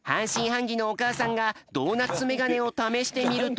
ぎのおかあさんがドーナツメガネをためしてみると。